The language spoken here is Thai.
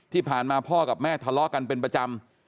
ที่ผ่านมาพ่อกับแม่ทะเลาะกันเป็นประจำ